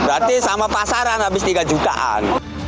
berarti sama pasaran habis tiga jutaan